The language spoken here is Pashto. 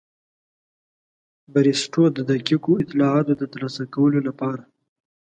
بریسټو د دقیقو اطلاعاتو د ترلاسه کولو لپاره.